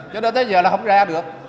chứ đó tới giờ là không ra được